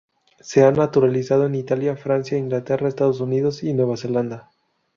Se ha naturalizado en Italia, Francia, Inglaterra, Estados Unidos y Nueva Zelanda.